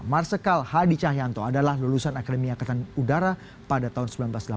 marsikal hadi cahyanto adalah lulusan akademi angkatan udara pada tahun seribu sembilan ratus delapan puluh